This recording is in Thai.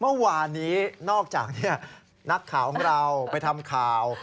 เมื่อวานนี้นอกจากนักข่าวของเราไปทำข่าว